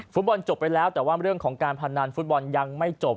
ฟุตบอลจบไปแล้วแต่ว่าเรื่องของการพนันฟุตบอลยังไม่จบ